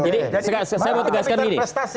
jadi saya mau tegaskan gini